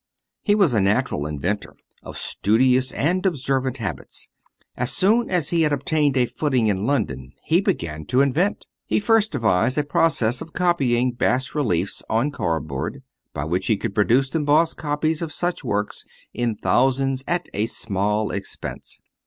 He was a natural inventor, of studious and observant habits. As soon as he had obtained a footing in London he began to invent. He first devised a process for copying bas reliefs on cardboard, by which he could produce embossed copies of such works in thousands at a small expense.